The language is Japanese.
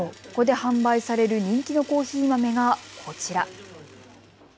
ここで販売される人気のコーヒー豆がこちら。